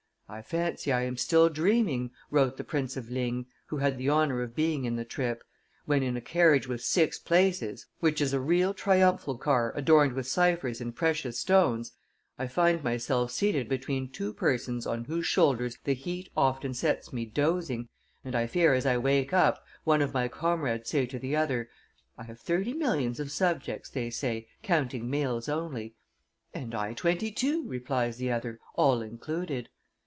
"I fancy I am still dreaming," wrote the Prince of Ligne, who had the honor of being in the trip, "when in a carriage with six places, which is a real triumphal car adorned with ciphers in precious stones, I find myself seated between two persons on whose shoulders the heat often sets me dozing, and I hear, as I wake up, one of my comrades say to the other 'I have thirty' millions of subjects, they say, counting males only.' 'And I twenty two,' replies the other, 'all included.